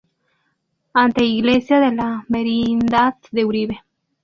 Anteiglesia de la merindad de Uribe.